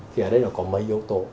thì ở đây nó có mấy yếu tố